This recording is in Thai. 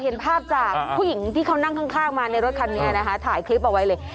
เห็นภาพจากผู้หญิงที่เขานั่งข้างมาในรถคันนี้นะคะถ่ายคลิปเอาไว้เลย